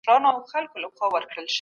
سرلوړي د هغو ده چي پر حق جنګېدی.